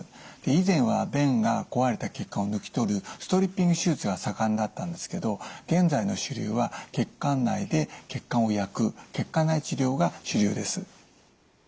以前は弁が壊れた血管を抜き取るストリッピング手術が盛んだったんですけど現在の主流は血管内で血管を焼く血管内治療が主流です。